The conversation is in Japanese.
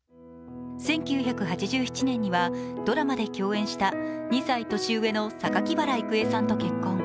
１９８７年には、ドラマで共演した２歳年上の榊原郁恵さんと結婚。